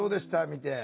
見て。